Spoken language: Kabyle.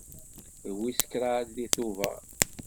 D wis kraḍ deg Tubeṛ.